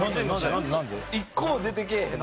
一個も出てけえへん。